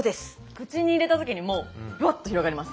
口に入れた時にもうバッと広がります。